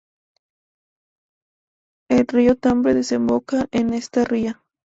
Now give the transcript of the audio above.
El río Tambre desemboca en esta ría.